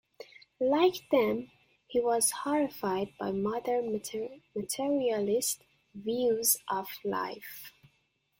Like them, he was horrified by modern materialist views of life.